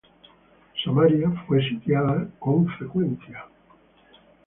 Samaria fue sitiada con frecuencia.